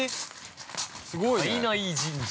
◆胎内神社。